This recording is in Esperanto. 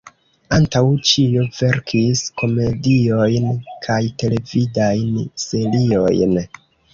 Antaŭ ĉio verkis komediojn kaj televidajn seriojn.